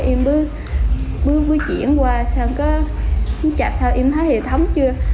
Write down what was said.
em bước bước bước chuyển qua sao có chạp sao em thấy hệ thống chưa